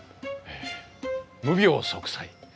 無病息災。